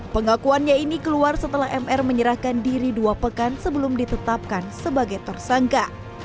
pengakuannya ini keluar setelah mr menyerahkan diri dua pekan sebelum ditetapkan sebagai tersangka